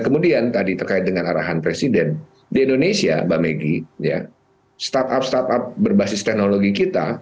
kemudian tadi terkait dengan arahan presiden di indonesia mbak megi startup startup berbasis teknologi kita